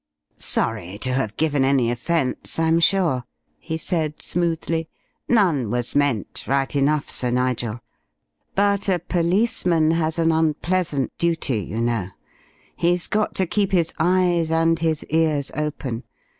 "Sorry to have given any offence, I'm sure," he said, smoothly. "None was meant, right enough, Sir Nigel. But a policeman has an unpleasant duty, you know. He's got to keep his eyes and his ears open.